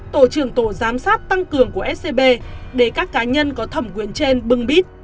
tổ trưởng tổ giám sát tăng cường của scb để các cá nhân có thẩm quyền trên bưng bít